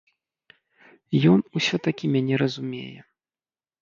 Ён усё-такі мяне разумее.